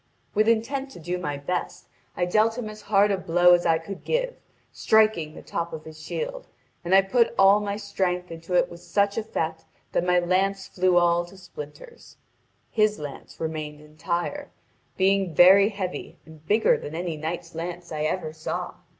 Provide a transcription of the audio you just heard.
With intent to do my best, I dealt him as hard a blow as I could give, striking the top of his shield, and I put all my strength into it with such effect that my lance flew all to splinters. His lance remained entire, being very heavy and bigger than any knight's lance I ever saw.